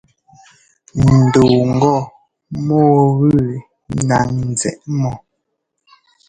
N dɔɔ ŋgɔ mɔ́ɔ wu náŋ njɛ́ʼ mɔ.